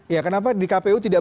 ya kenapa di kpu tidak